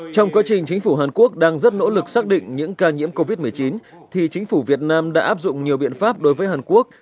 trong quá trình chính phủ hàn quốc đang rất nỗ lực xác định những ca nhiễm covid một mươi chín thì chính phủ việt nam đã áp dụng nhiều biện pháp đối với hàn quốc